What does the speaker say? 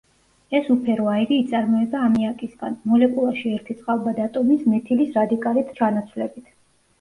ეს უფერო აირი იწარმოება ამიაკისგან, მოლეკულაში ერთი წყალბად ატომის მეთილის რადიკალით ჩანაცვლებით.